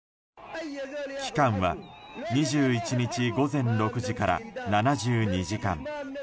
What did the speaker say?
期間は２１日午前６時から７２時間。